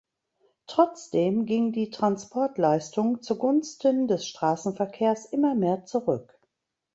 Trotzdem ging die Transportleistung zugunsten des Straßenverkehrs immer mehr zurück.